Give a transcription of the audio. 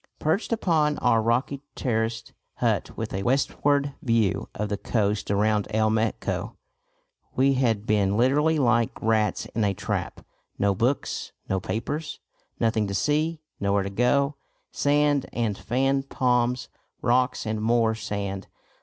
Perched up on our rocky terraced hut with a westward view of the coast around El Meco, we had been literally like rats in a trap; no books, no papers, nothing to see, nowhere to go; sand and fan palms, rocks and more sand.